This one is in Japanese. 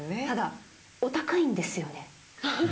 ただお高いんですよね？